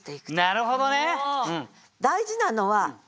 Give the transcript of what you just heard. なるほどね！